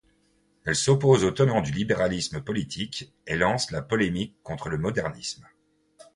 Elle s'oppose aux tenants du libéralisme politique, et lance la polémique contre le modernisme.